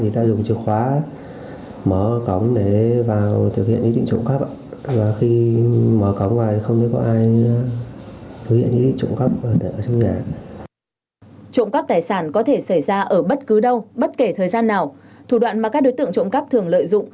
trộm cắp tài sản có thể xảy ra ở bất cứ đâu bất kể thời gian nào thủ đoạn mà các đối tượng trộm cắp thường lợi dụng